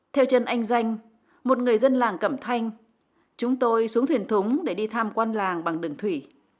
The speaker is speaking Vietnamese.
theo trần anh danh một người dân làng cẩm thanh chúng tôi xuống thuyền thúng để đi tham quan làng bằng đường thủy